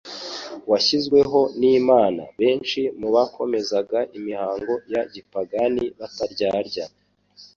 washyizweho n'Imana; benshi mu bakomezaga imihango ya gipagani bataryarya